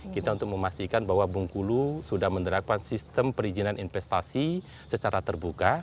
kita untuk memastikan bahwa bengkulu sudah menerapkan sistem perizinan investasi secara terbuka